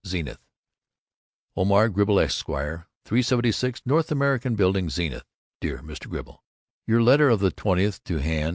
Zenith Omar Gribble, Esq., 576 North American Building, Zenith. Dear Mr. Gribble: Your letter of the twentieth to hand.